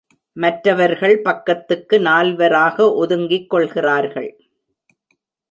மற்றவர்கள் பக்கத்துக்கு நால்வராக ஒதுங்கிக் கொள்கிறார்கள்.